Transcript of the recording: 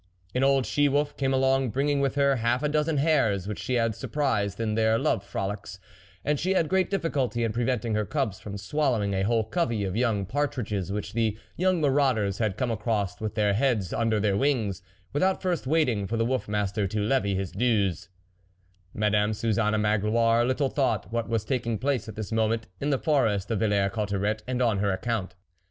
An old she wolf came along bringing with her half a dozen hares which she had surprised in their love frolics, and she had great difficulty in preventing her cubs from swallowing a whole covey of young partridges which the young marauders THE WOLF LEADER had come across with their heads under their wings, without first waiting for the wolf master to levy his dues, Madame Suzanne Magloire little thought what was taking place at this moment in the forest of Villers Cotterets, and on her account.